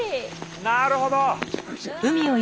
なるほど！